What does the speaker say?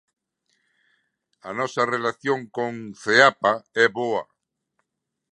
A nosa relación con Ceapa é boa.